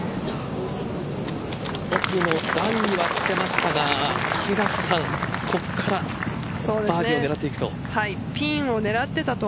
奥のライにはつけましたが平瀬さん、ここからバーディーを狙っていくと。